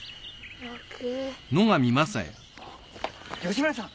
芳村さん。